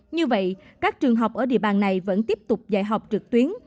như vậy các trường học ở địa bàn này vẫn tiếp tục dạy học trực tuyến